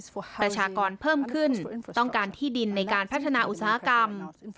ประชากรเพิ่มขึ้นต้องการที่ดินในการพัฒนาอุตสาหกรรม